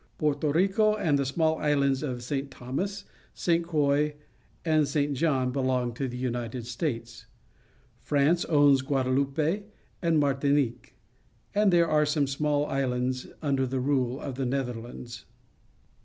Porto Rico and the small islands of St. Thomas, St. Croix, and St. John belong to the LTnited States. France owns Guadeloupe and Mar tinique, and there are some small islands under the rule of the Netherlands.